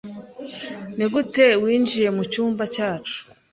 Nigute winjiye mucyumba cyacu?